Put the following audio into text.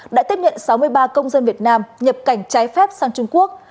đã tiếp nhận sáu mươi ba công dân việt nam nhập cảnh trái phép sang trung quốc